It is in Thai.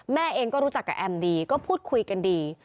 แม่เองก็รู้จักกับแอมดีก็พูดคุยกันดี